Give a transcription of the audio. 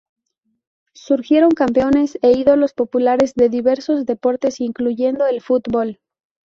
Surgieron campeones e ídolos populares de diversos deportes, incluyendo el fútbol.